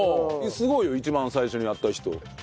すごいよ一番最初にやった人。